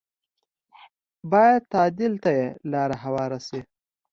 بايد تعديل ته یې لاره هواره شي